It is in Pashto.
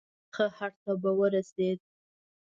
پاخه هډ ته به ورسېد.